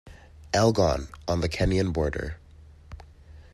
Elgon on the Kenyan border.